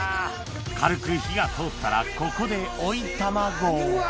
軽く火が通ったらここで追い卵うわ！